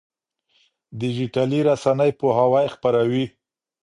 ډيجيټلي رسنۍ پوهاوی خپروي.